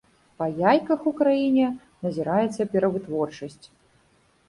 Па яйках ў краіне назіраецца перавытворчасць.